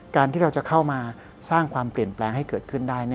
การที่เราจะเข้ามาสร้างความเปลี่ยนแปลงให้เกิดขึ้นได้